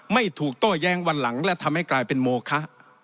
ไม่ถูกโต้แย้งวันหลังและทำให้กลายเป็นโมคะ